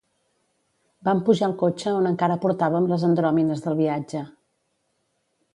Vam pujar al cotxe on encara portàvem les andròmines del viatge.